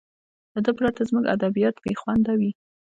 له ده پرته زموږ ادبیات بې خونده وي.